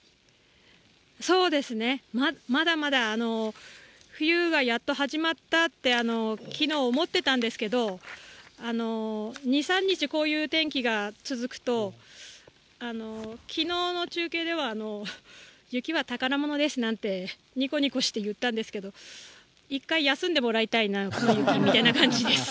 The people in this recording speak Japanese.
そうですね、まだまだ冬がやっと始まったってきのう思ってたんですけど、２、３日こういう天気が続くと、きのうの中継では、雪は宝物ですなんて、にこにこして言ったんですけど、一回休んでもらいたいな、この雪、みたいな感じです。